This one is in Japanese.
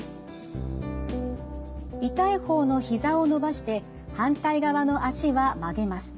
痛い方のひざを伸ばして反対側の脚は曲げます。